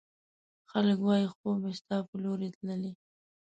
خلګ وايي، خوب مې ستا په لورې تللی